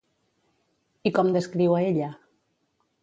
I com descriu a ella?